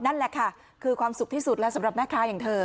นั่นแหละค่ะคือความสุขที่สุดแล้วสำหรับแม่ค้าอย่างเธอ